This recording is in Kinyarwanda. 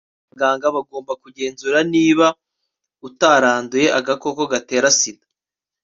abaganga bagomba kugenzura niba utaranduye agakoko gatera sida